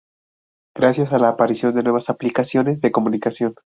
Gracias a la aparición de nuevas aplicaciones de comunicación